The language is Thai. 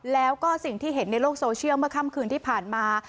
แล้วก็สิ่งที่เห็นในโลกโซเชียลเมื่อค่ำคืนที่ผ่านมา